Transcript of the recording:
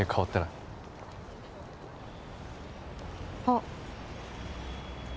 あっ。